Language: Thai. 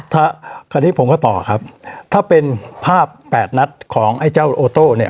ค่ะค่ะก็นี่ผมก็ต่อครับถ้าเป็นภาพแปดนัดของไอ้เจ้าเนี่ย